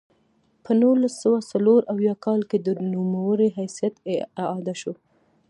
په نولس سوه څلور اویا کال کې د نوموړي حیثیت اعاده شو.